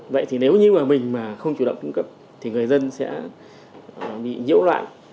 vậy thì nếu như mà mình mà không chủ động cung cấp thì người dân sẽ bị nhiễu loạn